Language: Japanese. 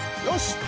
よし！